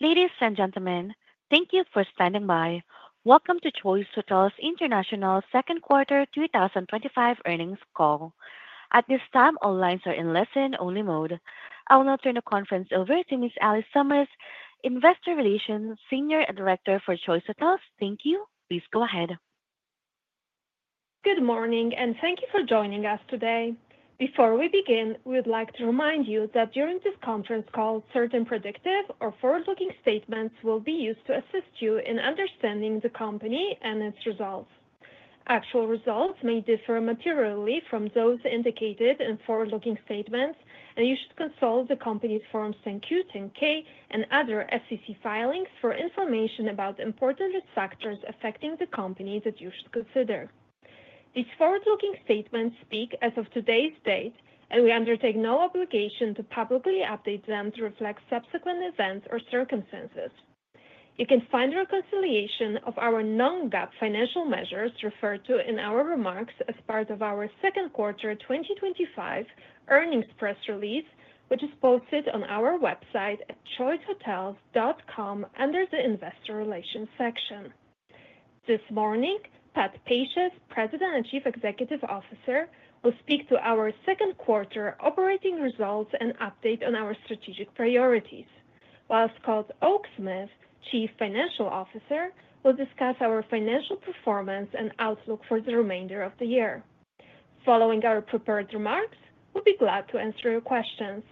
Ladies and gentlemen, thank you for standing by. Welcome to Choice Hotels International's Second Quarter 2025 Earnings Call. At this time, all lines are in listen-only mode. I will now turn the conference over to Ms. Allie Summers, Investor Relations Senior Director for Choice Hotels. Thank you. Please go ahead. Good morning, and thank you for joining us today. Before we begin, we would like to remind you that during this conference call, certain predictive or forward-looking statements will be used to assist you in understanding the company and its results. Actual results may differ materially from those indicated in forward-looking statements, and you should consult the company's Form 10-Q, 10-K, and other SEC filings for information about important risk factors affecting the company that you should consider. These forward-looking statements speak as of today's date, and we undertake no obligation to publicly update them to reflect subsequent events or circumstances. You can find reconciliation of our non-GAAP financial measures referred to in our remarks as part of our second quarter 2025 earnings press release, which is posted on our website at choicehotels.com under the Investor Relations section. This morning, Pat Pacious, President and Chief Executive Officer, will speak to our second quarter operating results and update on our strategic priorities, while Scott Oaksmith, Chief Financial Officer, will discuss our financial performance and outlook for the remainder of the year. Following our prepared remarks, we'll be glad to answer your questions.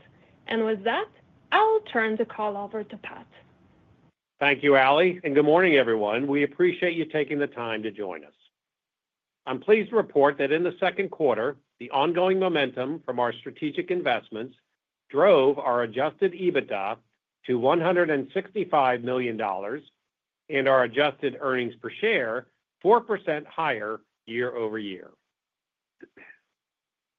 With that, I will turn the call over to Pat. Thank you, Alice, and good morning, everyone. We appreciate you taking the time to join us. I'm pleased to report that in the second quarter, the ongoing momentum from our strategic investments drove our adjusted EBITDA to $165 million, and our adjusted earnings per share 4% higher year over year.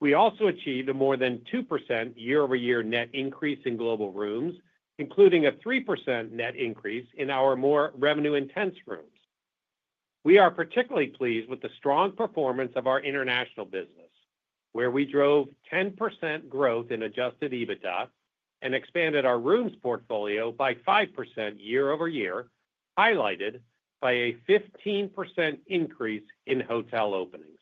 We also achieved a more than 2% year-over-year net increase in global rooms, including a 3% net increase in our more revenue-intense rooms. We are particularly pleased with the strong performance of our international business, where we drove 10% growth in adjusted EBITDA and expanded our rooms portfolio by 5% year-over-year, highlighted by a 15% increase in hotel openings.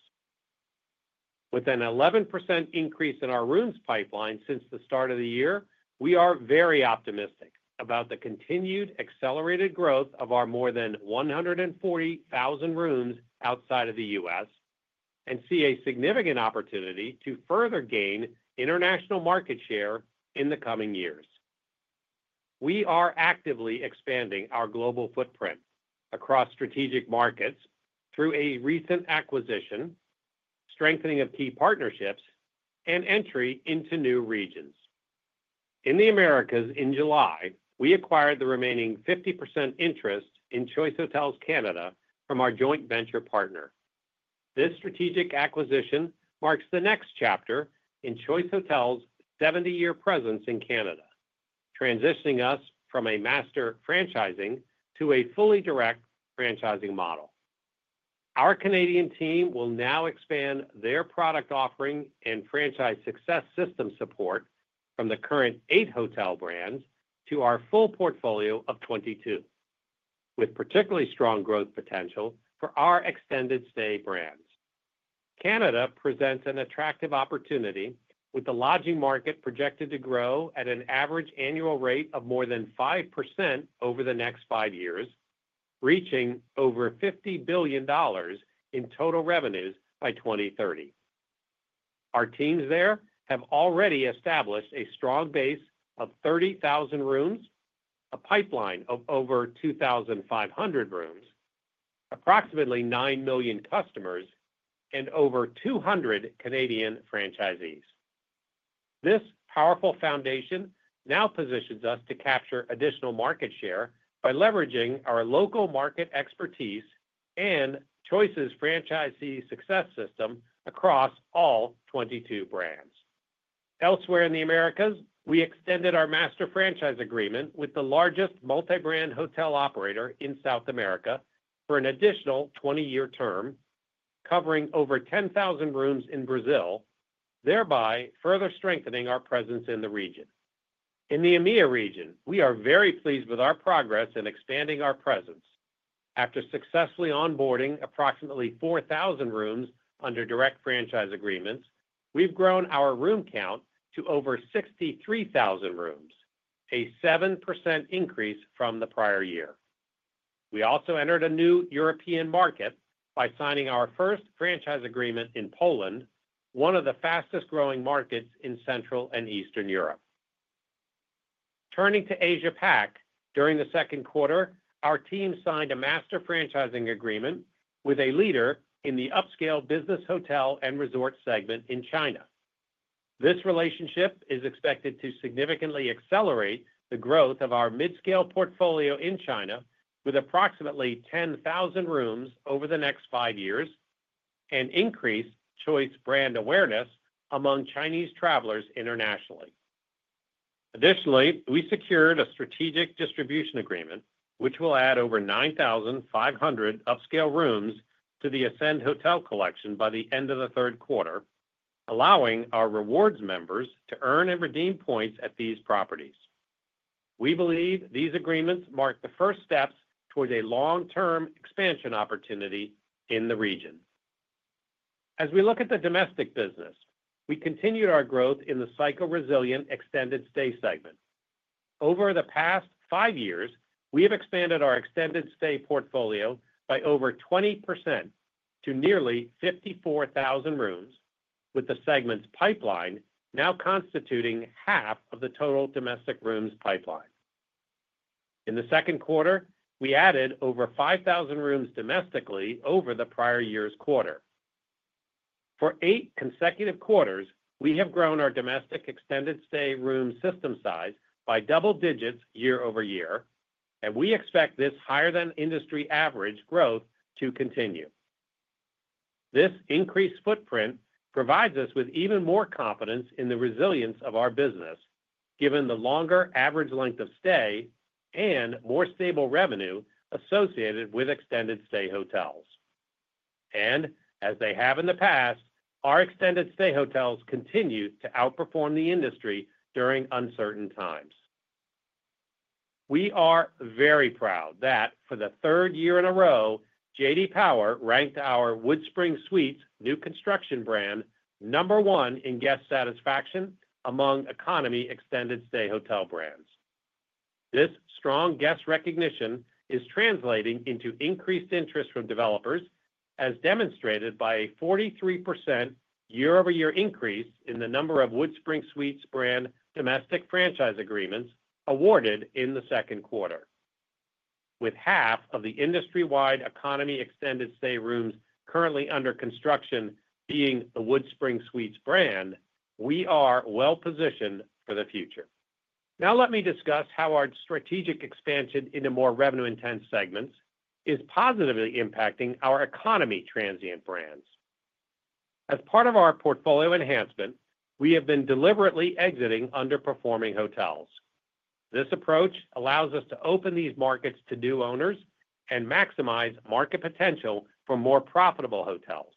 With an 11% increase in our rooms pipeline since the start of the year, we are very optimistic about the continued accelerated growth of our more than 140,000 rooms outside of the U.S. and see a significant opportunity to further gain international market share in the coming years. We are actively expanding our global footprint across strategic markets through a recent acquisition, strengthening of key partnerships, and entry into new regions. In the Americas in July, we acquired the remaining 50% interest in Choice Hotels Canada from our joint venture partner. This strategic acquisition marks the next chapter in Choice Hotels' 70-year presence in Canada, transitioning us from a master franchising to a fully direct franchising model. Our Canadian team will now expand their product offering and franchise success system support from the current eight hotel brands to our full portfolio of 22, with particularly strong growth potential for our extended stay brands. Canada presents an attractive opportunity with the lodging market projected to grow at an average annual rate of more than 5% over the next five years, reaching over $50 billion in total revenues by 2030. Our teams there have already established a strong base of 30,000 rooms, a pipeline of over 2,500 rooms, approximately 9 million customers, and over 200 Canadian franchisees. This powerful foundation now positions us to capture additional market share by leveraging our local market expertise and Choice's franchisee success system across all 22 brands. Elsewhere in the Americas, we extended our master franchise agreement with the largest multi-brand hotel operator in South America for an additional 20-year term, covering over 10,000 rooms in Brazil, thereby further strengthening our presence in the region. In the EMEA region, we are very pleased with our progress in expanding our presence. After successfully onboarding approximately 4,000 rooms under direct franchise agreements, we've grown our room count to over 63,000 rooms, a 7% increase from the prior year. We also entered a new European market by signing our first franchise agreement in Poland, one of the fastest growing markets in Central and Eastern Europe. Turning to Asia-Pac, during the second quarter, our team signed a master franchise agreement with a leader in the upscale business hotel and resort segment in China. This relationship is expected to significantly accelerate the growth of our mid-scale portfolio in China with approximately 10,000 rooms over the next five years and increase Choice brand awareness among Chinese travelers internationally. Additionally, we secured a strategic distribution agreement, which will add over 9,500 upscale rooms to the Ascend Hotel Collection by the end of the third quarter, allowing our rewards members to earn and redeem points at these properties. We believe these agreements mark the first steps towards a long-term expansion opportunity in the region. As we look at the domestic business, we continued our growth in the cycle-resilient extended stay segment. Over the past five years, we have expanded our extended stay portfolio by over 20% to nearly 54,000 rooms, with the segment's pipeline now constituting half of the total domestic rooms pipeline. In the second quarter, we added over 5,000 rooms domestically over the prior year's quarter. For eight consecutive quarters, we have grown our domestic extended stay room system size by double digits year over year, and we expect this higher-than-industry average growth to continue. This increased footprint provides us with even more confidence in the resilience of our business, given the longer average length of stay and more stable revenue associated with extended stay hotels. Our extended stay hotels continue to outperform the industry during uncertain times. We are very proud that for the third year in a row, JD Power ranked our WoodSpring Suites new construction brand number one in guest satisfaction among economy extended stay hotel brands. This strong guest recognition is translating into increased interest from developers, as demonstrated by a 43% year-over-year increase in the number of WoodSpring Suites brand domestic franchise agreements awarded in the second quarter. With half of the industry-wide economy extended stay rooms currently under construction being a WoodSpring Suites brand, we are well positioned for the future. Now let me discuss how our strategic expansion into more revenue-intense segments is positively impacting our economy transient brands. As part of our portfolio enhancement, we have been deliberately exiting underperforming hotels. This approach allows us to open these markets to new owners and maximize market potential for more profitable hotels.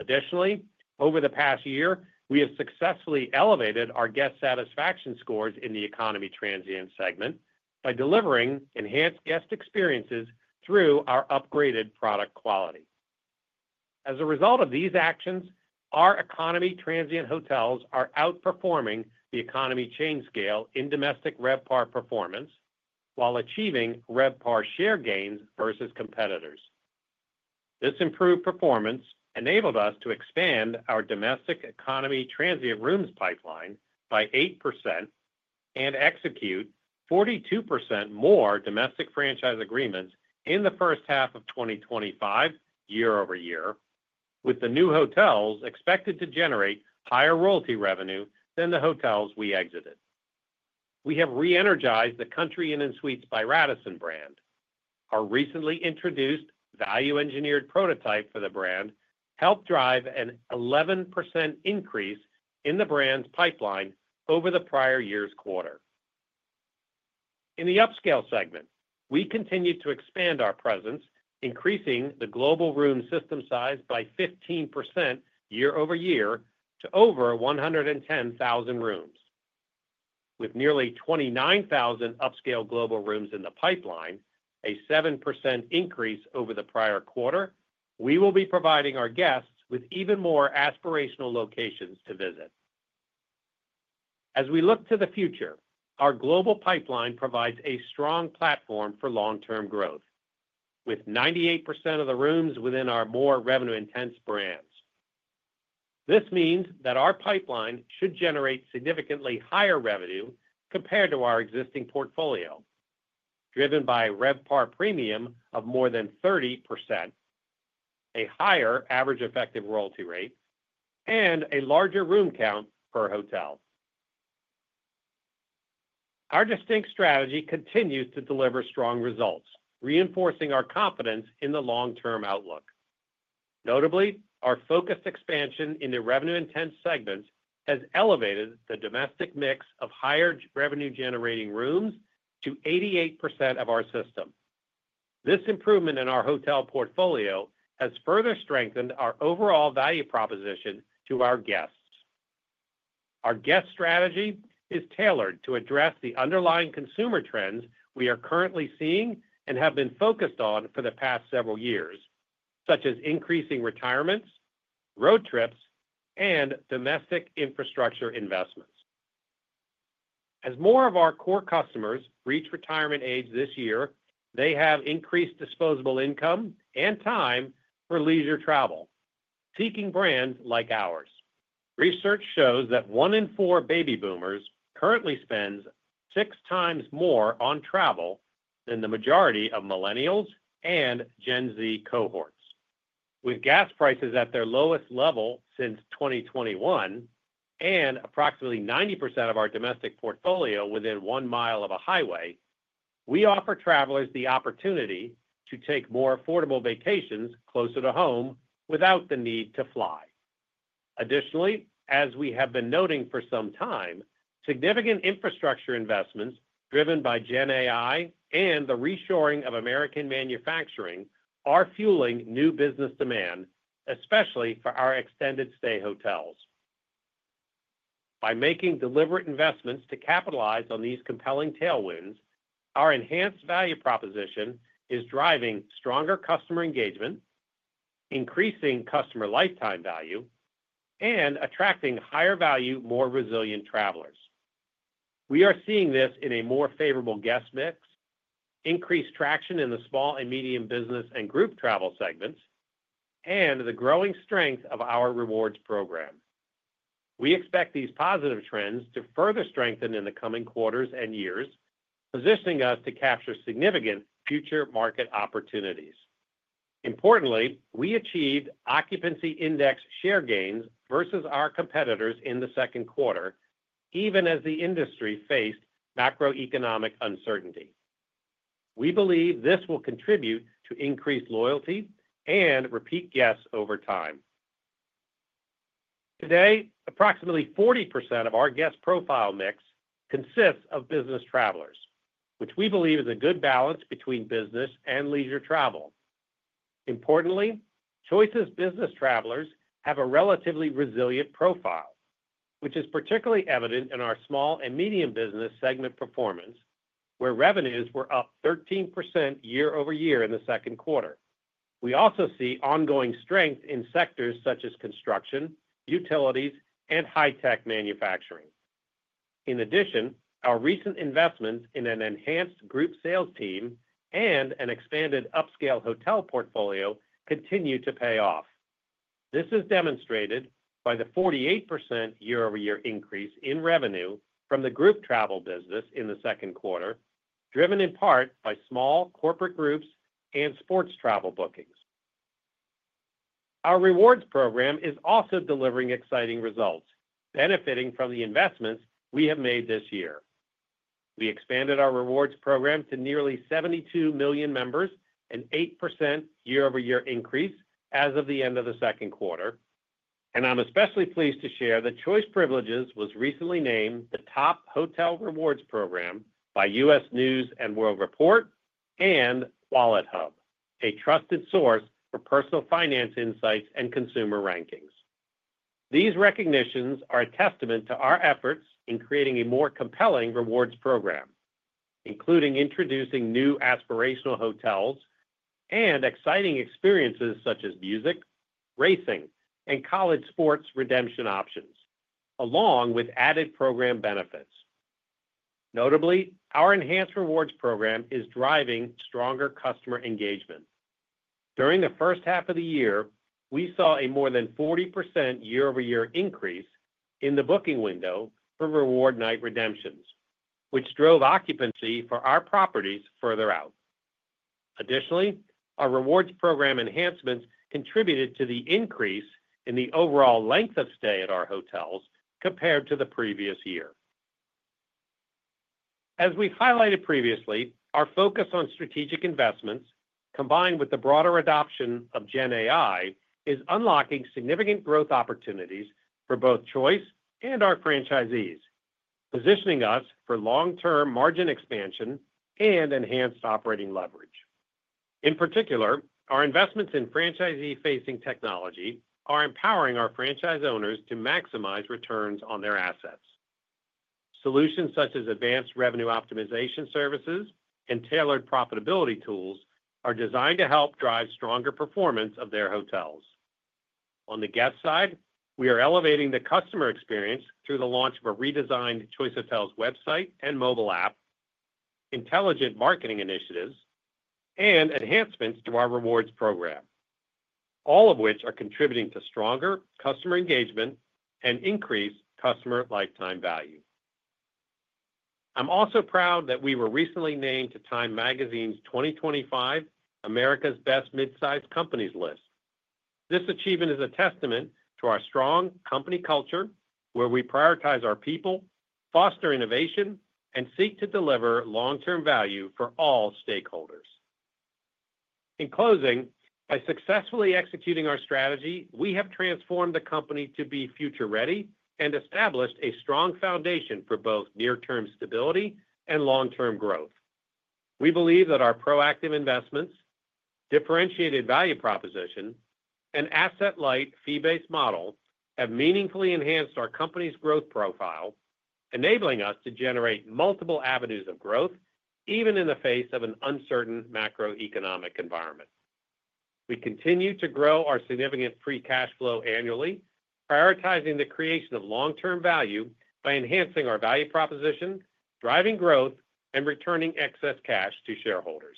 Additionally, over the past year, we have successfully elevated our guest satisfaction scores in the economy transient segment by delivering enhanced guest experiences through our upgraded product quality. As a result of these actions, our economy transient hotels are outperforming the economy chain scale in domestic RevPAR performance while achieving RevPAR share gains versus competitors. This improved performance enabled us to expand our domestic economy transient rooms pipeline by 8% and execute 42% more domestic franchise agreements in the first half of 2025, year over year, with the new hotels expected to generate higher royalty revenue than the hotels we exited. We have re-energized the Country Inn & Suites by Radisson brand. Our recently introduced value-engineered prototype for the brand helped drive an 11% increase in the brand's pipeline over the prior year's quarter. In the upscale segment, we continue to expand our presence, increasing the global room system size by 15% year-over-year to over 110,000 rooms. With nearly 29,000 upscale global rooms in the pipeline, a 7% increase over the prior quarter, we will be providing our guests with even more aspirational locations to visit. As we look to the future, our global pipeline provides a strong platform for long-term growth, with 98% of the rooms within our more revenue-intense brands. This means that our pipeline should generate significantly higher revenue compared to our existing portfolio, driven by a RevPAR premium of more than 30%, a higher average effective royalty rate, and a larger room count per hotel. Our distinct strategy continues to deliver strong results, reinforcing our confidence in the long-term outlook. Notably, our focused expansion into revenue-intense segments has elevated the domestic mix of higher revenue-generating rooms to 88% of our system. This improvement in our hotel portfolio has further strengthened our overall value proposition to our guests. Our guest strategy is tailored to address the underlying consumer trends we are currently seeing and have been focused on for the past several years, such as increasing retirements, road trips, and domestic infrastructure investments. As more of our core customers reach retirement age this year, they have increased disposable income and time for leisure travel, seeking brands like ours. Research shows that one in four baby boomers currently spends six times more on travel than the majority of Millennials and Gen Z cohorts. With gas prices at their lowest level since 2021 and approximately 90% of our domestic portfolio within one mile of a highway, we offer travelers the opportunity to take more affordable vacations closer to home without the need to fly. Additionally, as we have been noting for some time, significant infrastructure investments driven by Gen AI and the reshoring of American manufacturing are fueling new business demand, especially for our extended stay hotels. By making deliberate investments to capitalize on these compelling tailwinds, our enhanced value proposition is driving stronger customer engagement, increasing customer lifetime value, and attracting higher-value, more resilient travelers. We are seeing this in a more favorable guest mix, increased traction in the small and medium business and group travel segments, and the growing strength of our rewards program. We expect these positive trends to further strengthen in the coming quarters and years, positioning us to capture significant future market opportunities. Importantly, we achieved occupancy index share gains versus our competitors in the second quarter, even as the industry faced macro-economic uncertainty. We believe this will contribute to increased loyalty and repeat guests over time. Today, approximately 40% of our guest profile mix consists of business travelers, which we believe is a good balance between business and leisure travel. Importantly, Choice's business travelers have a relatively resilient profile, which is particularly evident in our small and medium business segment performance, where revenues were up 13% year-over-year in the second quarter. We also see ongoing strength in sectors such as construction, utilities, and high-tech manufacturing. In addition, our recent investments in an enhanced group sales team and an expanded upscale hotel portfolio continue to pay off. This is demonstrated by the 48% year-over-year increase in revenue from the group travel business in the second quarter, driven in part by small corporate groups and sports travel bookings. Our rewards program is also delivering exciting results, benefiting from the investments we have made this year. We expanded our rewards program to nearly 72 million members, an 8% year-over-year increase as of the end of the second quarter. I'm especially pleased to share that Choice Privileges was recently named the Top Hotel Rewards Program by U.S. News and World Report and WalletHub, a trusted source for personal finance insights and consumer rankings. These recognitions are a testament to our efforts in creating a more compelling rewards program, including introducing new aspirational hotels and exciting experiences such as music, racing, and college sports redemption options, along with added program benefits. Notably, our enhanced rewards program is driving stronger customer engagement. During the first half of the year, we saw a more than 40% year-over-year increase in the booking window for reward night redemptions, which drove occupancy for our properties further out. Additionally, our rewards program enhancements contributed to the increase in the overall length of stay at our hotels compared to the previous year. As we highlighted previously, our focus on strategic investments, combined with the broader adoption of Gen AI, is unlocking significant growth opportunities for both Choice and our franchisees, positioning us for long-term margin expansion and enhanced operating leverage. In particular, our investments in franchisee-facing technology are empowering our franchise owners to maximize returns on their assets. Solutions such as advanced revenue optimization services and tailored profitability tools are designed to help drive stronger performance of their hotels. On the guest side, we are elevating the customer experience through the launch of a redesigned Choice Hotels website and mobile app, intelligent marketing initiatives, and enhancements to our rewards program, all of which are contributing to stronger customer engagement and increased customer lifetime value. I'm also proud that we were recently named to Time Magazine's 2025 America's Best Mid-Size Companies list. This achievement is a testament to our strong company culture, where we prioritize our people, foster innovation, and seek to deliver long-term value for all stakeholders. In closing, by successfully executing our strategy, we have transformed the company to be future-ready and established a strong foundation for both near-term stability and long-term growth. We believe that our proactive investments, differentiated value proposition, and asset-light, fee-based model have meaningfully enhanced our company's growth profile, enabling us to generate multiple avenues of growth, even in the face of an uncertain macro-economic environment. We continue to grow our significant free cash flow annually, prioritizing the creation of long-term value by enhancing our value proposition, driving growth, and returning excess cash to shareholders.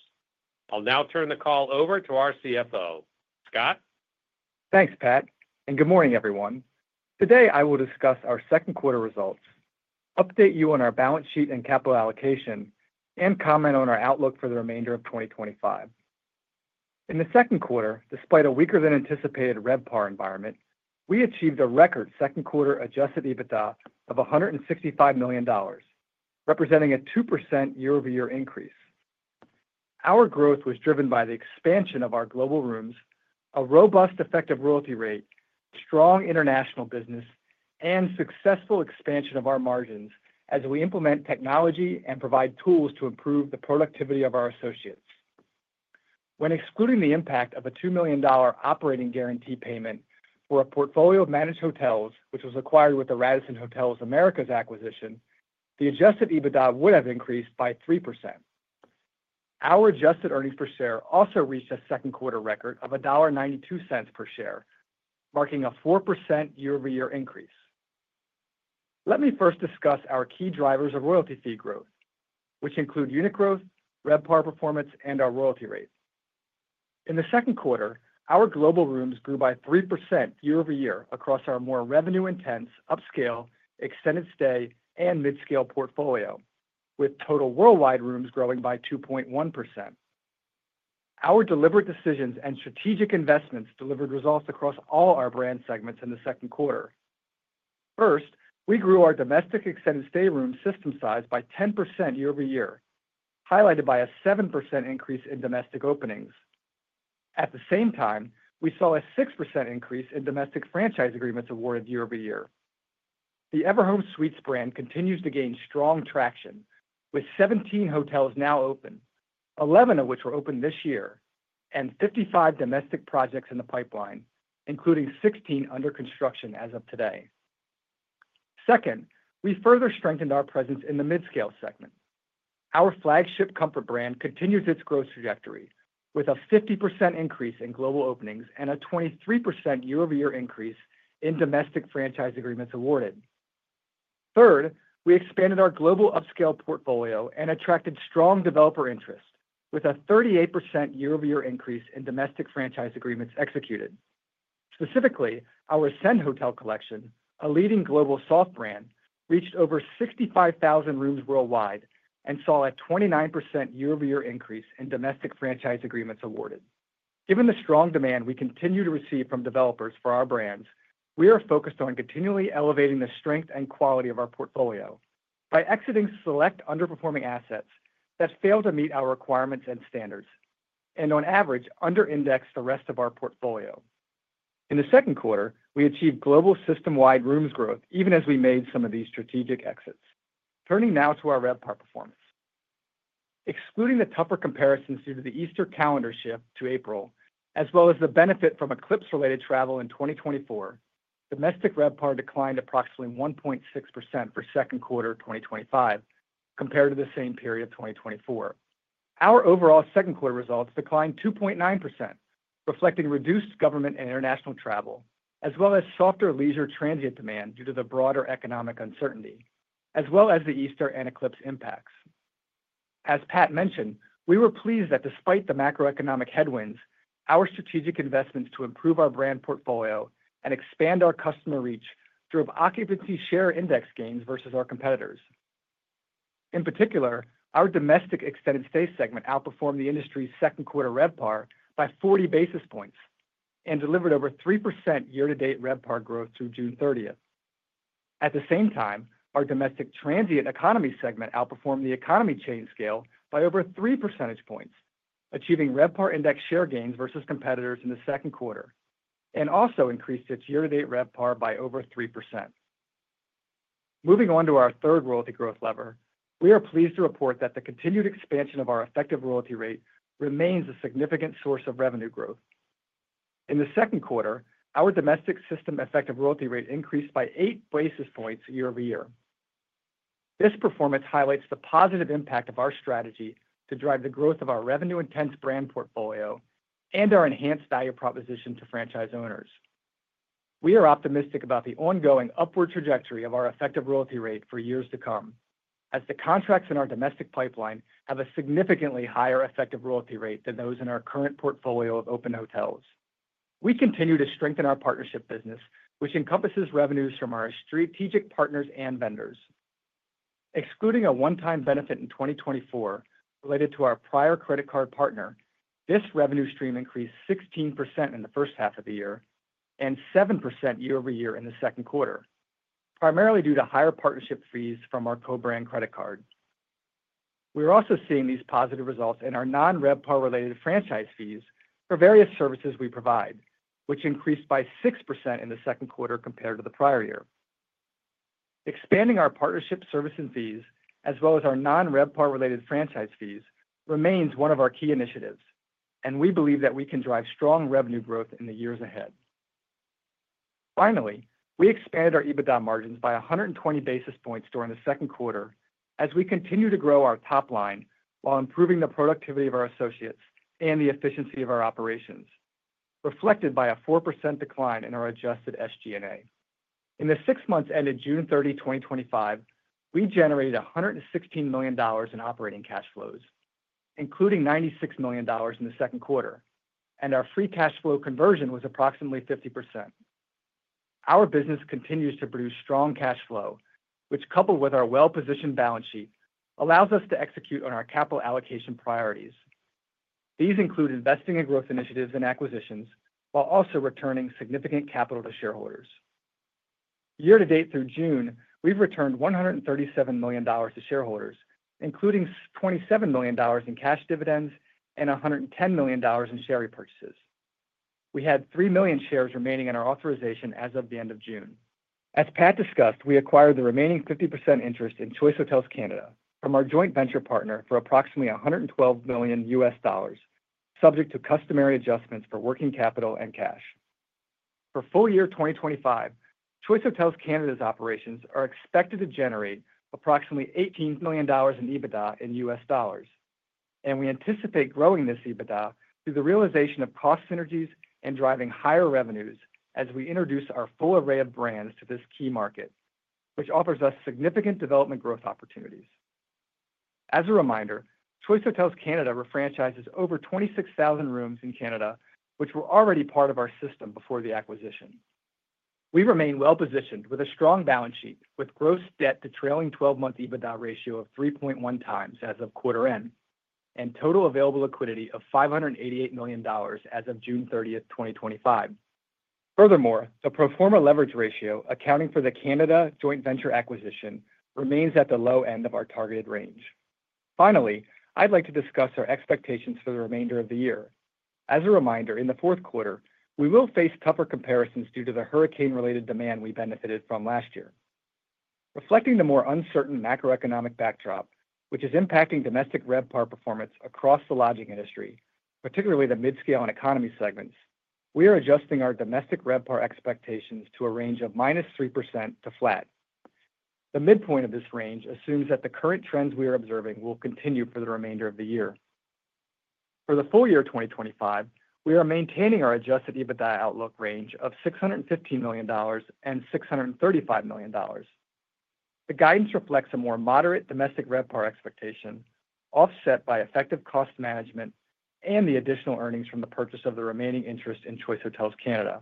I'll now turn the call over to our CFO, Scott. Thanks, Pat, and good morning, everyone. Today, I will discuss our second quarter results, update you on our balance sheet and capital allocation, and comment on our outlook for the remainder of 2025. In the second quarter, despite a weaker than anticipated RevPAR environment, we achieved a record second quarter adjusted EBITDA of $165 million, representing a 2% year-over-year increase. Our growth was driven by the expansion of our global rooms, a robust effective royalty rate, strong international business, and successful expansion of our margins as we implement technology and provide tools to improve the productivity of our associates. When excluding the impact of a $2 million operating guarantee payment for a portfolio of managed hotels, which was acquired with the Radisson Hotels Americas acquisition, the adjusted EBITDA would have increased by 3%. Our adjusted earnings per share also reached a second quarter record of $1.92 per share, marking a 4% year-over-year increase. Let me first discuss our key drivers of royalty fee growth, which include unit growth, RevPAR performance, and our royalty rate. In the second quarter, our global rooms grew by 3% year-over-year across our more revenue-intense upscale, extended stay, and mid-scale portfolio, with total worldwide rooms growing by 2.1%. Our deliberate decisions and strategic investments delivered results across all our brand segments in the second quarter. First, we grew our domestic extended stay room system size by 10% year-over-year, highlighted by a 7% increase in domestic openings. At the same time, we saw a 6% increase in domestic franchise agreements awarded year over year. The Everhome Suites brand continues to gain strong traction, with 17 hotels now open, 11 of which were opened this year, and 55 domestic projects in the pipeline, including 16 under construction as of today. Second, we further strengthened our presence in the mid-scale segment. Our flagship Comfort brand continues its growth trajectory, with a 50% increase in global openings and a 23% year-over-year increase in domestic franchise agreements awarded. Third, we expanded our global upscale portfolio and attracted strong developer interest, with a 38% year-over-year increase in domestic franchise agreements executed. Specifically, our Ascend Hotel Collection, a leading global soft brand, reached over 65,000 rooms worldwide and saw a 29% year-over-year increase in domestic franchise agreements awarded. Given the strong demand we continue to receive from developers for our brands, we are focused on continually elevating the strength and quality of our portfolio by exiting select underperforming assets that fail to meet our requirements and standards and, on average, under-index the rest of our portfolio. In the second quarter, we achieved global system-wide rooms growth, even as we made some of these strategic exits. Turning now to our RevPAR performance. Excluding the tougher comparisons due to the Easter calendar shift to April, as well as the benefit from eclipse-related travel in 2024, domestic RevPAR declined approximately 1.6% for second quarter 2025 compared to the same period of 2024. Our overall second quarter results declined 2.9%, reflecting reduced government and international travel, as well as softer leisure transient demand due to the broader economic uncertainty, as well as the Easter and eclipse impacts. As Pat mentioned, we were pleased that despite the macro-economic headwinds, our strategic investments to improve our brand portfolio and expand our customer reach drove occupancy share index gains versus our competitors. In particular, our domestic extended stay segment outperformed the industry's second quarter RevPAR by 40 basis points and delivered over 3% year-to-date RevPAR growth through June 30th. At the same time, our domestic transient economy segment outperformed the economy chain scale by over 3% points, achieving RevPAR index share gains versus competitors in the second quarter, and also increased its year-to-date RevPAR by over 3%. Moving on to our third royalty growth lever, we are pleased to report that the continued expansion of our effective royalty rate remains a significant source of revenue growth. In the second quarter, our domestic system effective royalty rate increased by 8 basis points year over year. This performance highlights the positive impact of our strategy to drive the growth of our revenue-intense brand portfolio and our enhanced value proposition to franchise owners. We are optimistic about the ongoing upward trajectory of our effective royalty rate for years to come, as the contracts in our domestic pipeline have a significantly higher effective royalty rate than those in our current portfolio of open hotels. We continue to strengthen our partnership business, which encompasses revenues from our strategic partners and vendors. Excluding a one-time benefit in 2024 related to our prior credit card partner, this revenue stream increased 16% in the first half of the year and 7% year-over-year in the second quarter, primarily due to higher partnership fees from our co-brand credit card. We are also seeing these positive results in our non-RevPAR-related franchise fees for various services we provide, which increased by 6% in the second quarter compared to the prior year. Expanding our partnership servicing fees, as well as our non-RevPAR-related franchise fees, remains one of our key initiatives, and we believe that we can drive strong revenue growth in the years ahead. Finally, we expanded our EBITDA margins by 120 basis points during the second quarter as we continue to grow our top line while improving the productivity of our associates and the efficiency of our operations, reflected by a 4% decline in our adjusted SG&A. In the six months ended June 30, 2025, we generated $116 million in operating cash flows, including $96 million in the second quarter, and our free cash flow conversion was approximately 50%. Our business continues to produce strong cash flow, which, coupled with our well-positioned balance sheet, allows us to execute on our capital allocation priorities. These include investing in growth initiatives and acquisitions while also returning significant capital to shareholders. Year to date through June, we've returned $137 million to shareholders, including $27 million in cash dividends and $110 million in share repurchases. We had 3 million shares remaining in our authorization as of the end of June. As Pat discussed, we acquired the remaining 50% interest in Choice Hotels Canada from our joint venture partner for approximately $112 million US dollars, subject to customary adjustments for working capital and cash. For full year 2025, Choice Hotels Canada's operations are expected to generate approximately $18 million in EBITDA in US dollars, and we anticipate growing this EBITDA through the realization of cost synergies and driving higher revenues as we introduce our full array of brands to this key market, which offers us significant development growth opportunities. As a reminder, Choice Hotels Canada refranchises over 26,000 rooms in Canada, which were already part of our system before the acquisition. We remain well positioned with a strong balance sheet, with gross debt to trailing 12-month EBITDA ratio of 3.1x as of quarter end and total available liquidity of $588 million as of June 30, 2025. Furthermore, the pro forma leverage ratio accounting for the Canada joint venture acquisition remains at the low end of our targeted range. Finally, I'd like to discuss our expectations for the remainder of the year. As a reminder, in the fourth quarter, we will face tougher comparisons due to the hurricane-related demand we benefited from last year. Reflecting the more uncertain macro-economic backdrop, which is impacting domestic RevPAR performance across the lodging industry, particularly the mid-scale and economy segments, we are adjusting our domestic RevPAR expectations to a range of -3% to flat. The midpoint of this range assumes that the current trends we are observing will continue for the remainder of the year. For the full year 2025, we are maintaining our adjusted EBITDA outlook range of $615 million and $635 million. The guidance reflects a more moderate domestic RevPAR expectation, offset by effective cost management and the additional earnings from the purchase of the remaining interest in Choice Hotels Canada.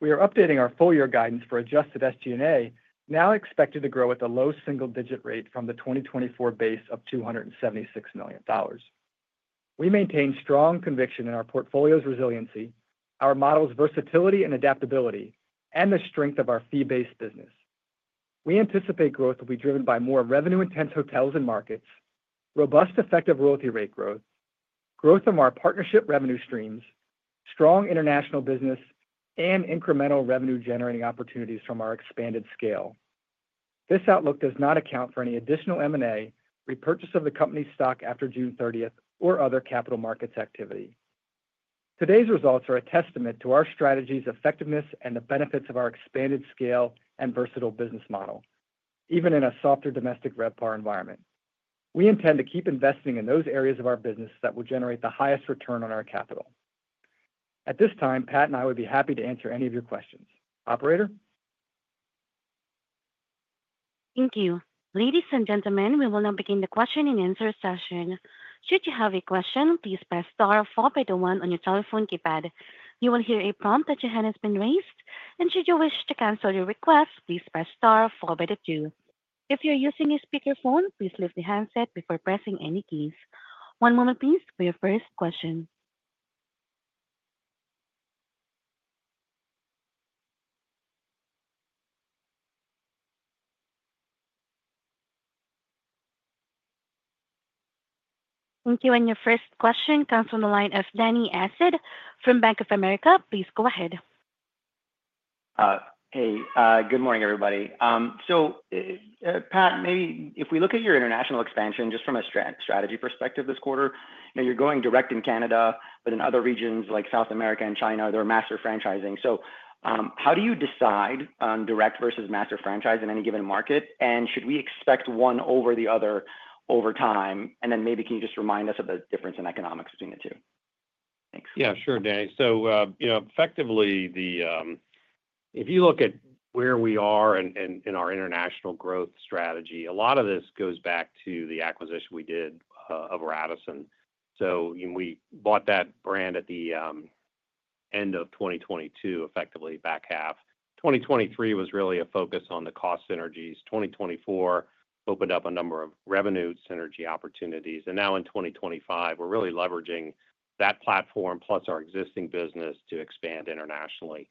We are updating our full-year guidance for adjusted SG&A, now expected to grow at the low single-digit rate from the 2024 base of $276 million. We maintain strong conviction in our portfolio's resiliency, our model's versatility and adaptability, and the strength of our fee-based business. We anticipate growth will be driven by more revenue-intense hotels and markets, robust effective royalty rate growth, growth of our partnership revenue streams, strong international business, and incremental revenue-generating opportunities from our expanded scale. This outlook does not account for any additional M&A, repurchase of the company's stock after June 30th, or other capital markets activity. Today's results are a testament to our strategy's effectiveness and the benefits of our expanded scale and versatile business model, even in a softer domestic RevPAR environment. We intend to keep investing in those areas of our business that will generate the highest return on our capital. At this time, Pat and I would be happy to answer any of your questions. Operator? Thank you. Ladies and gentlemen, we will now begin the question and answer session. Should you have a question, please press star followed by the one on your telephone keypad. You will hear a prompt that your hand has been raised, and should you wish to cancel your request, please press star followed by the two. If you're using a speakerphone, please lift the handset before pressing any keys. One moment, please, for your first question. Thank you. Your first question comes from the line of Dany Asad from Bank of America. Please go ahead. Good morning, everybody. Pat, maybe if we look at your international expansion just from a strategy perspective this quarter, you know you're going direct in Canada, but in other regions like South America and China, they're master franchising. How do you decide on direct versus master franchise in any given market, and should we expect one over the other over time? Maybe can you just remind us of the difference in economics between the two? Thanks. Yeah, sure, Danny. If you look at where we are in our international growth strategy, a lot of this goes back to the acquisition we did of Radisson. We bought that brand at the end of 2022, effectively back half. 2023 was really a focus on the cost synergies. 2024 opened up a number of revenue synergy opportunities, and now in 2025, we're really leveraging that platform plus our existing business to expand internationally.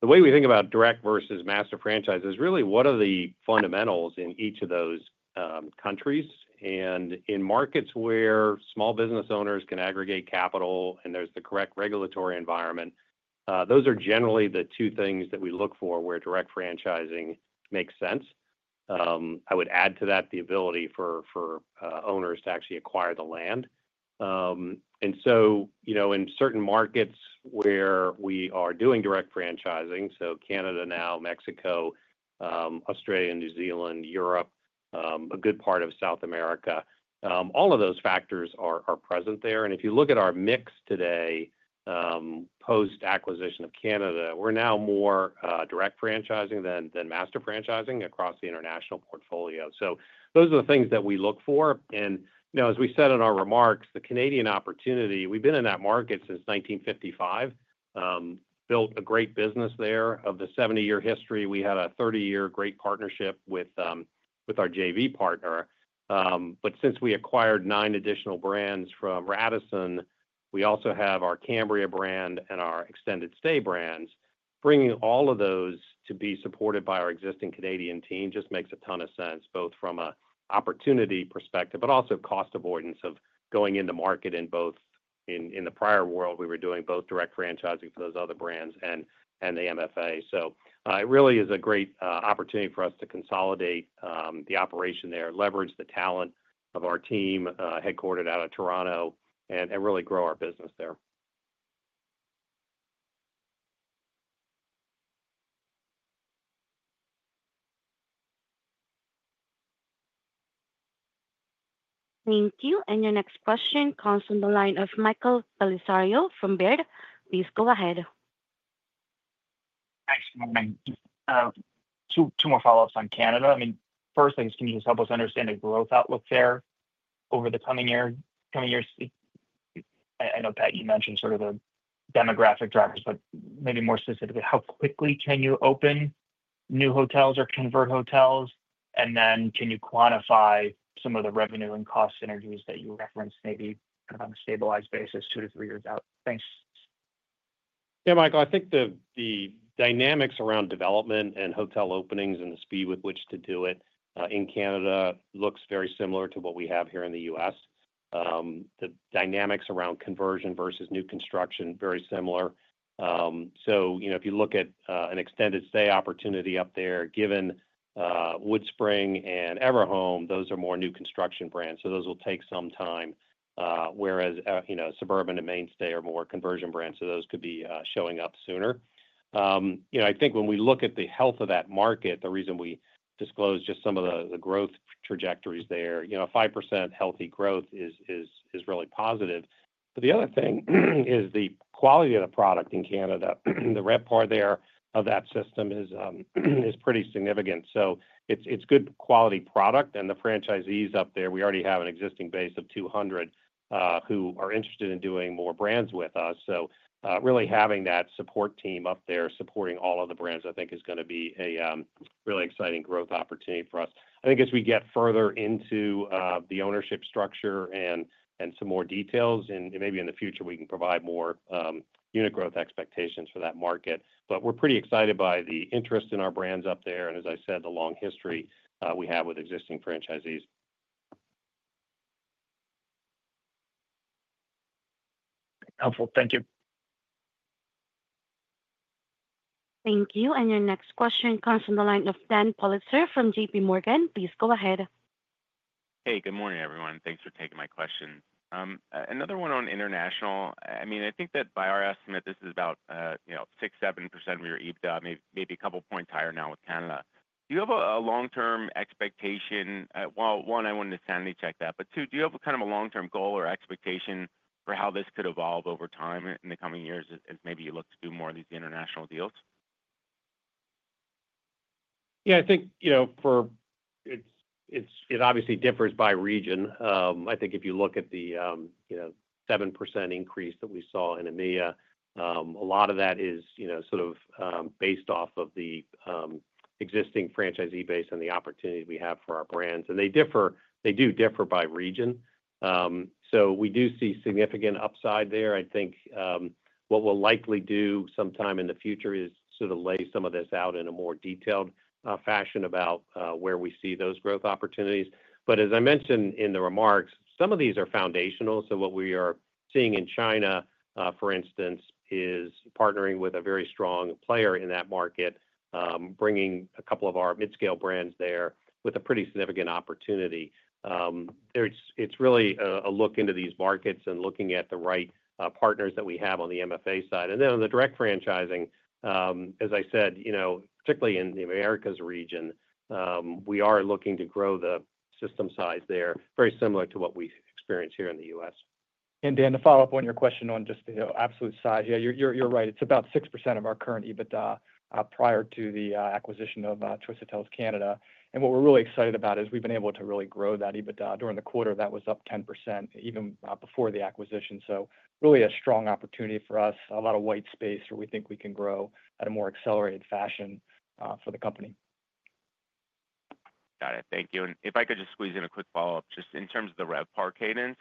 The way we think about direct versus master franchise is really one of the fundamentals in each of those countries, and in markets where small business owners can aggregate capital and there's the correct regulatory environment, those are generally the two things that we look for where direct franchising makes sense. I would add to that the ability for owners to actually acquire the land. In certain markets where we are doing direct franchising, so Canada now, Mexico, Australia, New Zealand, Europe, a good part of South America, all of those factors are present there. If you look at our mix today, post-acquisition of Canada, we're now more direct franchising than master franchising across the international portfolio. Those are the things that we look for. As we said in our remarks, the Canadian opportunity, we've been in that market since 1955, built a great business there. Of the 70-year history, we had a 30-year great partnership with our JV partner. Since we acquired nine additional brands from Radisson, we also have our Cambria brand and our extended stay brands. Bringing all of those to be supported by our existing Canadian team just makes a ton of sense, both from an opportunity perspective, but also cost avoidance of going into market in both in the prior world, we were doing both direct franchising for those other brands and the master franchise agreement. It really is a great opportunity for us to consolidate the operation there, leverage the talent of our team headquartered out of Toronto, and really grow our business there. Thank you. Your next question comes from the line of Michael Bellisario from Baird. Please go ahead. Actually, two more follow-ups on Canada. I mean, first, I guess can you just help us understand the growth outlook there over the coming years? I know, Pat, you mentioned sort of the demographic drivers, but maybe more specifically, how quickly can you open new hotels or convert hotels? Can you quantify some of the revenue and cost synergies that you referenced, maybe kind of on a stabilized basis two to three years out? Thanks. Yeah, Michael, I think the dynamics around development and hotel openings and the speed with which to do it in Canada look very similar to what we have here in the U.S. The dynamics around conversion versus new construction are very similar. If you look at an extended stay opportunity up there, given WoodSpring and Everhome, those are more new construction brands, so those will take some time. Whereas, you know, Suburban and MainStay are more conversion brands, so those could be showing up sooner. I think when we look at the health of that market, the reason we disclose just some of the growth trajectories there, a 5% healthy growth is really positive. The other thing is the quality of the product in Canada. The RevPAR there of that system is pretty significant. It's a good quality product, and the franchisees up there, we already have an existing base of 200 who are interested in doing more brands with us. Really having that support team up there supporting all of the brands, I think, is going to be a really exciting growth opportunity for us. I think as we get further into the ownership structure and some more details, and maybe in the future, we can provide more unit growth expectations for that market. We're pretty excited by the interest in our brands up there, and as I said, the long history we have with existing franchisees. Helpful. Thank you. Thank you. Your next question comes from the line of Dan Politzer from J.P. Morgan. Please go ahead. Hey, good morning, everyone. Thanks for taking my question. Another one on international. I think that by our estimate, this is about 6%, 7% of your EBITDA, maybe a couple points higher now with Canada. Do you have a long-term expectation? I wanted to sanity check that, but do you have kind of a long-term goal or expectation for how this could evolve over time in the coming years as maybe you look to do more of these international deals? I think it obviously differs by region. I think if you look at the 7% increase that we saw in EMEA, a lot of that is based off of the existing franchisee base and the opportunity we have for our brands. They do differ by region. We do see significant upside there. I think what we'll likely do sometime in the future is lay some of this out in a more detailed fashion about where we see those growth opportunities. As I mentioned in the remarks, some of these are foundational. What we are seeing in China, for instance, is partnering with a very strong player in that market, bringing a couple of our mid-scale brands there with a pretty significant opportunity. It's really a look into these markets and looking at the right partners that we have on the master franchise agreement side. On the direct franchising, as I said, particularly in the Americas region, we are looking to grow the system size there, very similar to what we experience here in the U.S. Dan, to follow up on your question on just the absolute size, yeah, you're right. It's about 6% of our current EBITDA prior to the acquisition of Choice Hotels Canada. What we're really excited about is we've been able to really grow that EBITDA during the quarter; that was up 10% even before the acquisition. Really a strong opportunity for us, a lot of white space where we think we can grow at a more accelerated fashion for the company. Got it. Thank you. If I could just squeeze in a quick follow-up, in terms of the RevPAR cadence,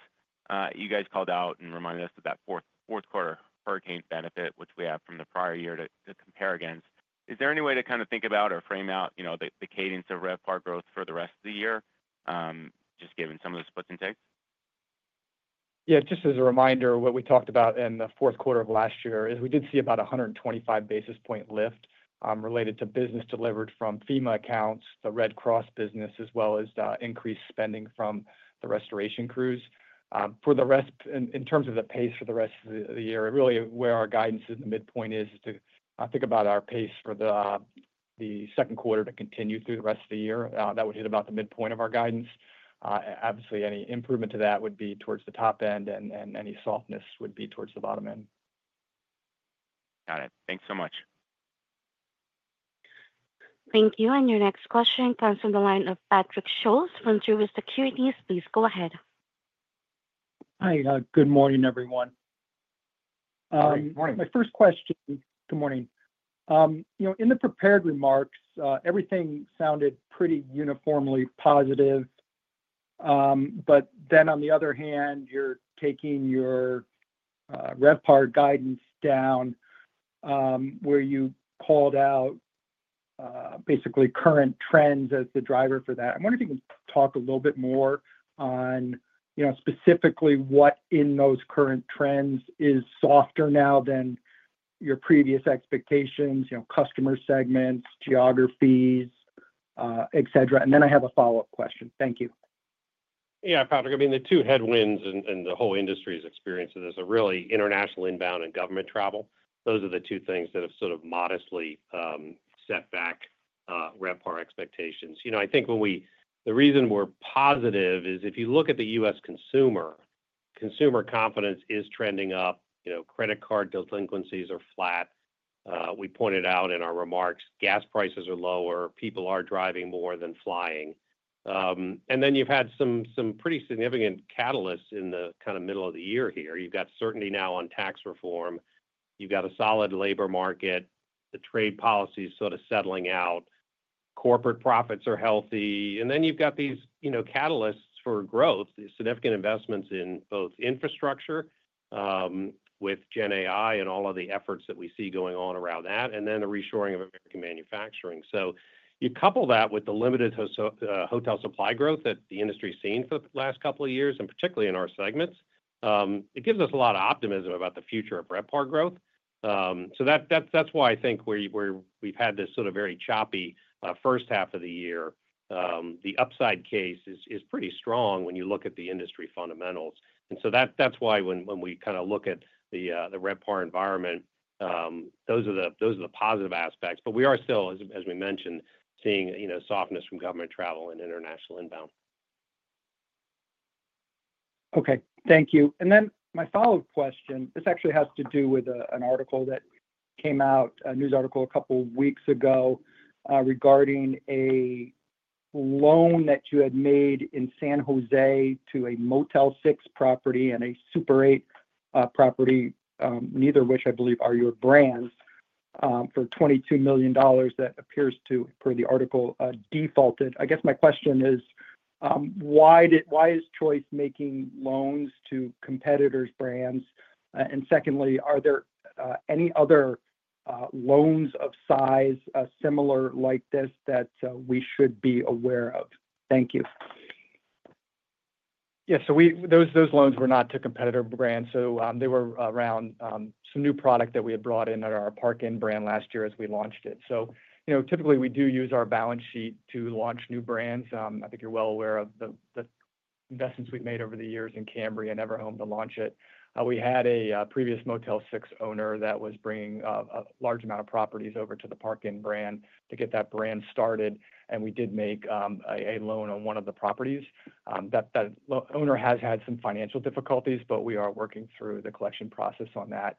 you guys called out and reminded us of that fourth quarter hurricane benefit, which we have from the prior year to compare against. Is there any way to kind of think about or frame out the cadence of RevPAR growth for the rest of the year, just given some of the splits and takes? Yeah, just as a reminder, what we talked about in the fourth quarter of last year is we did see about a 1.25% lift related to business delivered from FEMA accounts, the Red Cross business, as well as increased spending from the restoration crews. For the rest, in terms of the pace for the rest of the year, really where our guidance in the midpoint is to think about our pace for the second quarter to continue through the rest of the year. That would hit about the midpoint of our guidance. Obviously, any improvement to that would be towards the top end, and any softness would be towards the bottom end. Got it. Thanks so much. Thank you. Your next question comes from the line of Patrick Scholes from Truist Securities. Please go ahead. Hi, good morning, everyone. Good Morning My first question. Good morning. In the prepared remarks, everything sounded pretty uniformly positive. On the other hand, you're taking your RevPAR guidance down where you called out basically current trends as the driver for that. I wonder if you can talk a little bit more on, specifically, what in those current trends is softer now than your previous expectations, customer segments, geographies, et cetera. I have a follow-up question. Thank you. Yeah, Pat, I mean, the two headwinds and the whole industry's experience of this are really international inbound and government travel. Those are the two things that have sort of modestly set back RevPAR expectations. I think when we, the reason we're positive is if you look at the U.S. consumer, consumer confidence is trending up. Credit card delinquencies are flat. We pointed out in our remarks, gas prices are lower, people are driving more than flying. You have had some pretty significant catalysts in the kind of middle of the year here. You have got certainty now on tax reform. You have got a solid labor market. The trade policy is sort of settling out. Corporate profits are healthy. You have got these catalysts for growth, these significant investments in both infrastructure with Gen AI and all of the efforts that we see going on around that, and the reshoring of American manufacturing. You couple that with the limited hotel supply growth that the industry's seen for the last couple of years, and particularly in our segments, it gives us a lot of optimism about the future of RevPAR growth. That is why I think we have had this sort of very choppy first half of the year. The upside case is pretty strong when you look at the industry fundamentals. That is why when we kind of look at the RevPAR environment, those are the positive aspects. We are still, as we mentioned, seeing softness from government travel and international inbound. Okay, thank you. My follow-up question actually has to do with an article that came out, a news article a couple of weeks ago regarding a loan that you had made in San Jose to a Motel 6 property and a Super 8 property, neither of which I believe are your brands, for $22 million that appears to, per the article, defaulted. My question is, why is Choice making loans to competitors' brands? Secondly, are there any other loans of size similar like this that we should be aware of? Thank you. Yeah, those loans were not to competitor brands. They were around some new product that we had brought in at our Park Inn brand last year as we launched it. Typically, we do use our balance sheet to launch new brands. I think you're well aware of the investments we've made over the years in Cambria and Everhome to launch it. We had a previous Motel 6 owner that was bringing a large amount of properties over to the Park Inn brand to get that brand started. We did make a loan on one of the properties. That owner has had some financial difficulties, but we are working through the collection process on that.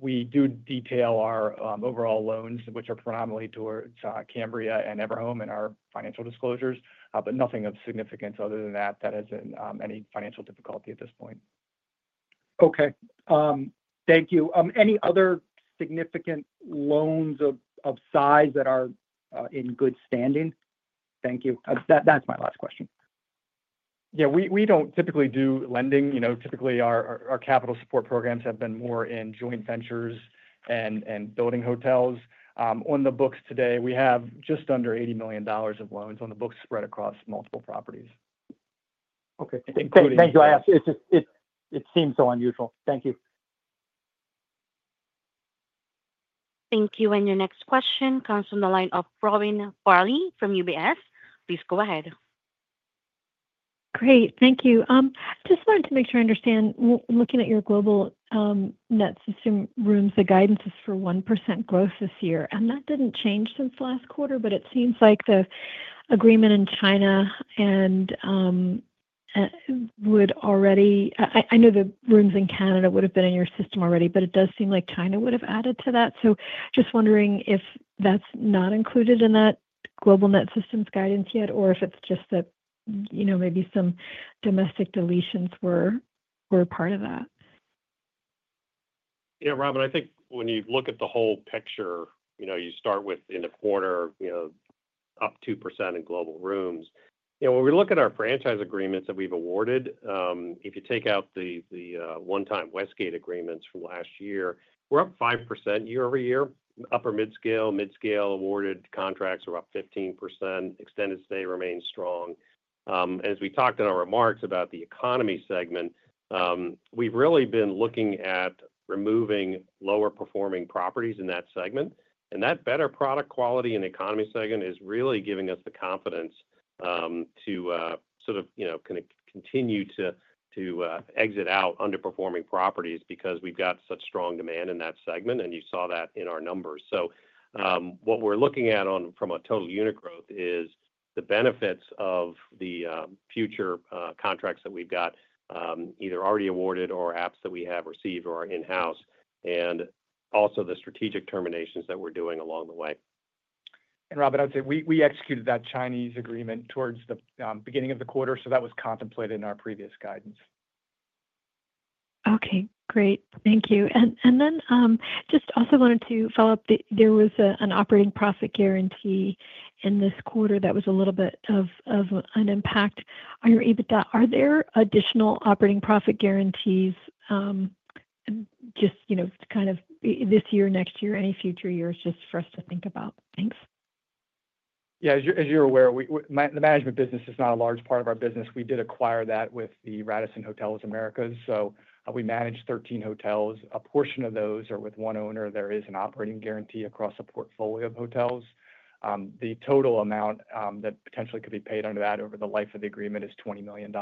We do detail our overall loans, which are predominantly towards Cambria and Everhome in our financial disclosures, but nothing of significance other than that that has been any financial difficulty at this point. Okay, thank you. Any other significant loans of size that are in good standing? Thank you. That's my last question. Yeah, we don't typically do lending. Typically, our capital support programs have been more in joint ventures and building hotels. On the books today, we have just under $80 million of loans on the books spread across multiple properties. Okay, thank you. I asked, it seems so unusual. Thank you. Thank you. Your next question comes from the line of Robin Farley from UBS. Please go ahead. Great, thank you. I just wanted to make sure I understand, looking at your global net system rooms, the guidance is for 1% growth this year. That didn't change since last quarter, but it seems like the agreement in China would already, I know the rooms in Canada would have been in your system already, but it does seem like China would have added to that. Just wondering if that's not included in that global net systems guidance yet, or if it's just that maybe some domestic deletions were part of that. You know, Robin, I think when you look at the whole picture, you start with in the corner, up 2% in global rooms. When we look at our franchise agreements that we've awarded, if you take out the one-time Westgate agreements from last year, we're up 5% year-over-year. Upper mid-scale, mid-scale awarded contracts are about 15%. Extended stay remains strong. As we talked in our remarks about the economy segment, we've really been looking at removing lower performing properties in that segment. That better product quality in the economy segment is really giving us the confidence to continue to exit out underperforming properties because we've got such strong demand in that segment. You saw that in our numbers. What we're looking at from a total unit growth is the benefits of the future contracts that we've got either already awarded or apps that we have received or are in-house, and also the strategic terminations that we're doing along the way. Robin, I'd say we executed that China agreement towards the beginning of the quarter, so that was contemplated in our previous guidance. Okay, great. Thank you. I just also wanted to follow up, there was an operating profit guarantee in this quarter that was a little bit of an impact. Are there additional operating profit guarantees this year, next year, any future years just for us to think about? Thanks. Yeah, as you're aware, the management business is not a large part of our business. We did acquire that with the Radisson Americas. We manage 13 hotels, and a portion of those are with one owner. There is an operating guarantee across a portfolio of hotels. The total amount that potentially could be paid under that over the life of the agreement is $20 million.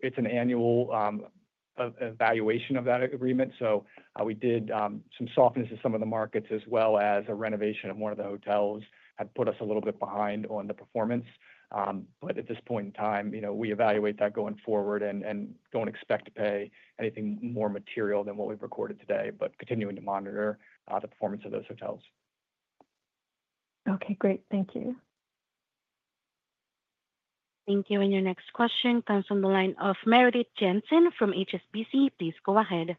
It's an annual evaluation of that agreement. We did see some softness in some of the markets, as well as a renovation of one of the hotels that had put us a little bit behind on the performance. At this point in time, we evaluate that going forward and don't expect to pay anything more material than what we've recorded today, but we are continuing to monitor the performance of those hotels. Okay, great. Thank you. Thank you. Your next question comes from the line of Meredith Jensen from HSBC. Please go ahead.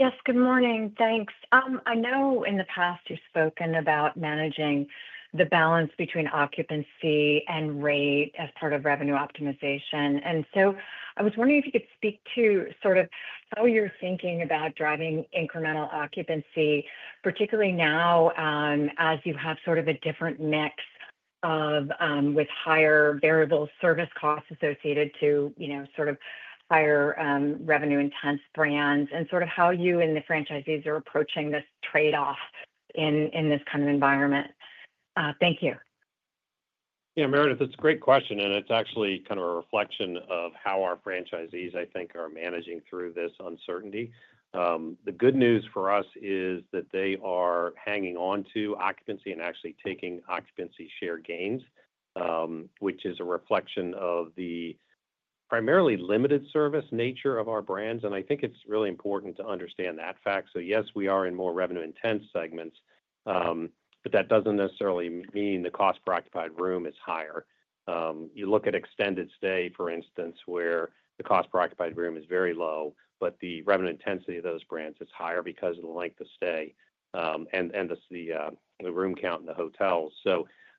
Yes, good morning. Thanks. I know in the past you've spoken about managing the balance between occupancy and rate as part of revenue optimization. I was wondering if you could speak to how you're thinking about driving incremental occupancy, particularly now as you have a different mix with higher variable service costs associated to higher revenue-intense brands and how you and the franchisees are approaching this trade-off in this kind of environment. Thank you. Yeah, Meredith, it's a great question, and it's actually kind of a reflection of how our franchisees, I think, are managing through this uncertainty. The good news for us is that they are hanging on to occupancy and actually taking occupancy share gains, which is a reflection of the primarily limited service nature of our brands. I think it's really important to understand that fact. Yes, we are in more revenue-intense segments, but that doesn't necessarily mean the cost per occupied room is higher. You look at extended stay, for instance, where the cost per occupied room is very low, but the revenue intensity of those brands is higher because of the length of stay and the room count in the hotels.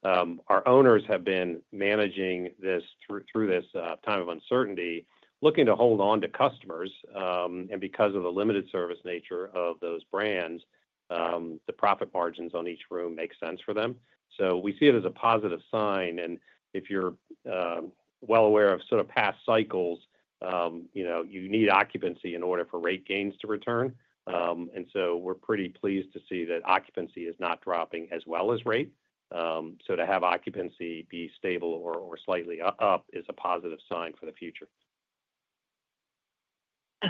Our owners have been managing this through this time of uncertainty, looking to hold on to customers. Because of the limited service nature of those brands, the profit margins on each room make sense for them. We see it as a positive sign. If you're well aware of sort of past cycles, you know, you need occupancy in order for rate gains to return. We're pretty pleased to see that occupancy is not dropping as well as rate. To have occupancy be stable or slightly up is a positive sign for the future.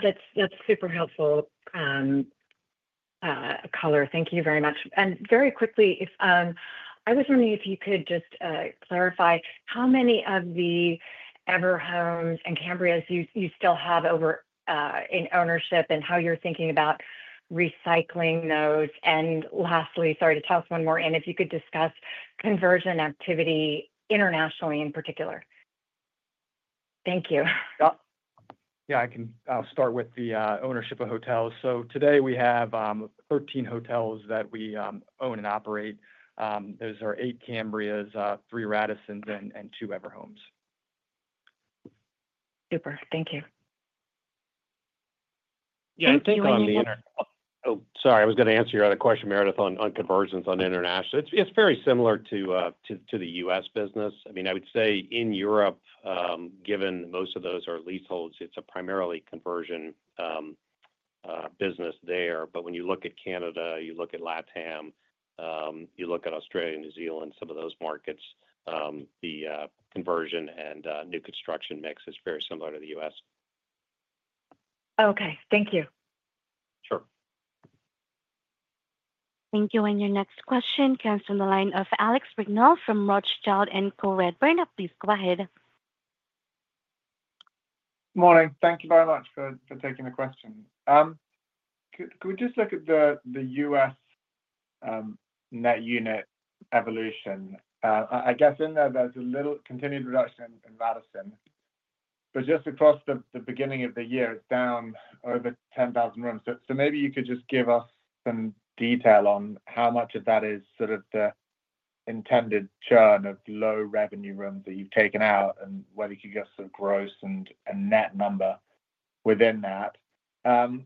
That's super helpful, Caller. Thank you very much. Very quickly, I was wondering if you could just clarify how many of the Everhome Suites and Cambrias you still have over in ownership and how you're thinking about recycling those. Lastly, sorry to toss one more in, if you could discuss conversion activity internationally in particular. Thank you. I can start with the ownership of hotels. Today we have 13 hotels that we own and operate. Those are eight Cambrias, three Radissons, and two Everhome Suites. Super. Thank you. I think on the internet, oh, sorry, I was going to answer your other question, Meredith, on conversions on international. It's very similar to the U.S. business. I mean, I would say in Europe, given most of those are leaseholds, it's a primarily conversion business there. When you look at Canada, you look at LATAM, you look at Australia and New Zealand, some of those markets, the conversion and new construction mix is very similar to the U.S. Okay, thank you. Sure. Thank you. Your next question comes from the line of Alex Wriggnaw from Rothschild and Co. Redburn. Please go ahead. Morning. Thank you very much for taking the question. Could we just look at the U.S. net unit evolution? I guess in there, there's a little continued reduction in Radisson, but just across the beginning of the year, it's down over 10,000 rooms. Maybe you could just give us some detail on how much of that is sort of the intended churn of low revenue rooms that you've taken out and whether you could give us a gross and net number within that. On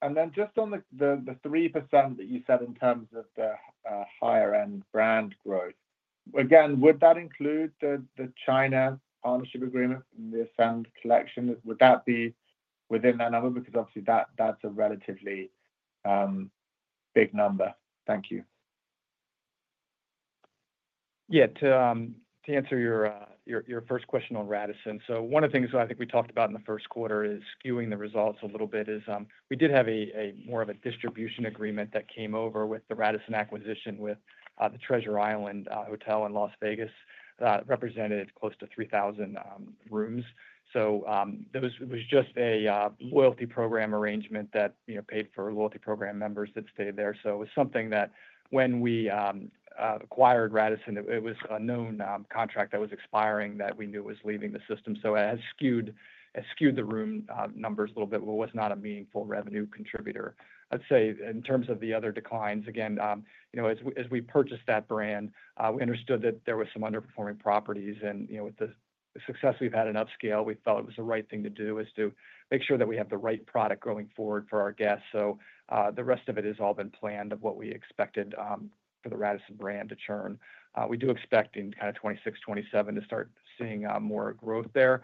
the 3% that you said in terms of the higher-end brand growth, would that include the China ownership agreement and the Ascend Hotel Collection? Would that be within that number? Obviously, that's a relatively big number. Thank you. Yeah, to answer your first question on Radisson, one of the things that I think we talked about in the first quarter is skewing the results a little bit. We did have more of a distribution agreement that came over with the Radisson acquisition with the Treasure Island Hotel in Las Vegas. It represented close to 3,000 rooms. It was just a loyalty program arrangement that paid for loyalty program members that stayed there. It was something that when we acquired Radisson, it was a known contract that was expiring that we knew was leaving the system. It has skewed the room numbers a little bit, but it was not a meaningful revenue contributor. I'd say in terms of the other declines, as we purchased that brand, we understood that there were some underperforming properties. With the success we've had in upscale, we felt it was the right thing to do to make sure that we have the right product going forward for our guests. The rest of it has all been planned of what we expected for the Radisson brand to churn. We do expect in 2026, 2027 to start seeing more growth there.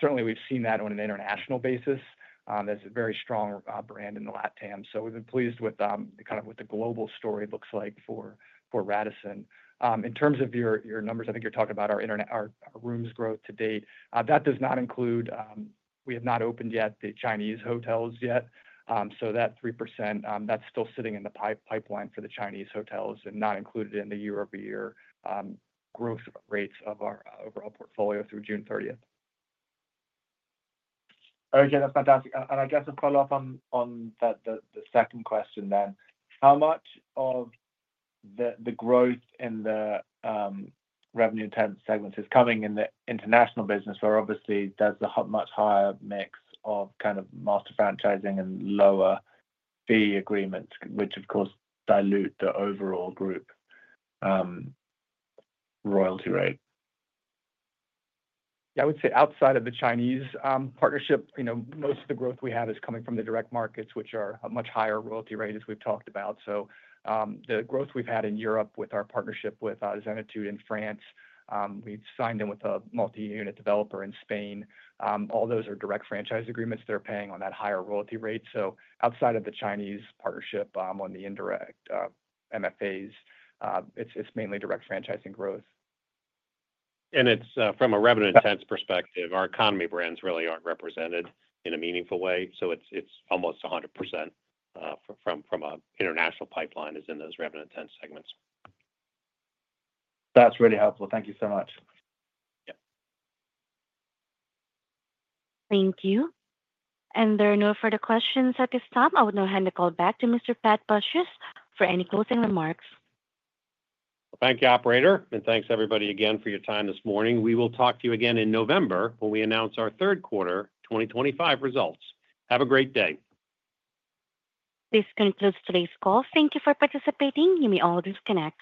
Certainly, we've seen that on an international basis. There's a very strong brand in LATAM. We've been pleased with what the global story looks like for Radisson. In terms of your numbers, I think you're talking about our rooms growth to date. That does not include, we have not opened yet the Chinese hotels yet. That 3% is still sitting in the pipeline for the Chinese hotels and not included in the year-over-year growth rates of our overall portfolio through June 30. Okay, that's fantastic. I guess a follow-up on the second question then. How much of the growth in the revenue-intense segments is coming in the international business, where obviously there's a much higher mix of kind of master franchising and lower fee agreements, which of course dilute the overall group royalty rate? Yeah, I would say outside of the Chinese partnership, you know, most of the growth we have is coming from the direct markets, which are a much higher royalty rate, as we've talked about. The growth we've had in Europe with our partnership with Zenitude in France, we've signed in with a multi-unit developer in Spain. All those are direct franchise agreements that are paying on that higher royalty rate. Outside of the Chinese partnership on the indirect master franchise agreements, it's mainly direct franchising growth. From a revenue-intense perspective, our economy brands really aren't represented in a meaningful way. It's almost 100% from an international pipeline is in those revenue-intense segments. That's really helpful. Thank you so much. Thank you. There are no further questions at this time. I would now hand the call back to Mr. Pat Pacious for any closing remarks. Thank you, Operator, and thanks everybody again for your time this morning. We will talk to you again in November when we announce our third quarter 2025 results. Have a great day. This concludes today's call. Thank you for participating. You may all disconnect.